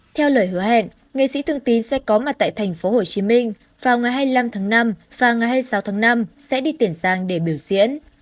theo lời hứa hẹn nghệ sĩ thương tín sẽ có mặt tại thành phố hồ chí minh vào ngày hai mươi năm tháng năm và ngày hai mươi sáu tháng năm sẽ đi tiền giang để biểu diễn